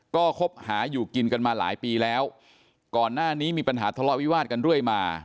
ก็คบหาอยู่กินกันมาหลายปีแล้วก่อนหน้านี้มีปัญหาทะเลาะวิวาดกันเรื่อยมา